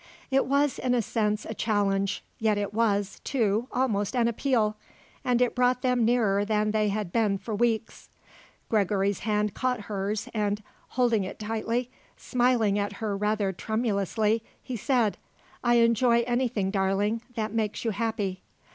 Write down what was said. It was, in a sense, a challenge, yet it was, too, almost an appeal, and it brought them nearer than they had been for weeks. Gregory's hand caught hers and, holding it tightly, smiling at her rather tremulously, he said: "I enjoy anything, darling, that makes you happy."